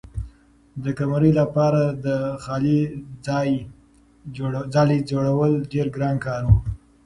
د قمرۍ لپاره د ځالۍ جوړول ډېر ګران کار و.